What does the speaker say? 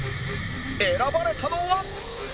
選ばれたのは